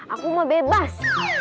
aku mah bebas